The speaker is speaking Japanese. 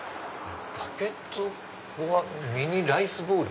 「バゲットｏｒミニライスボール」？